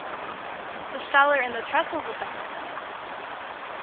The cellar and the trestles affected them.